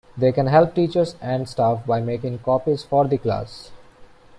They can help teachers and staff by making copies for the class.